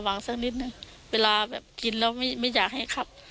ต้องให้ละมัดระวังซักนิดหนึ่งเวลาแบบกินแล้วไม่อยากให้ขับ